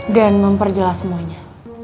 dan memperjelas semuanya